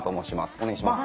お願いします。